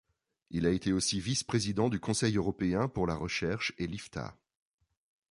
Il a été aussi vice-président du Conseil européen pour la Recherche et l'Iftaa.